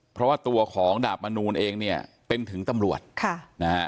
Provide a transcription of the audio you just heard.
เพราะว่าตัวของดาบมนูลเองเนี่ยเป็นถึงตำรวจค่ะนะฮะ